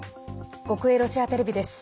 国営ロシアテレビです。